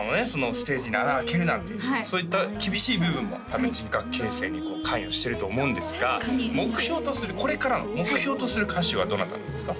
ステージに穴あけるなっていうそういった厳しい部分も多分人格形成に関与していると思うんですが目標とするこれからの目標とする歌手はどなたなんですか？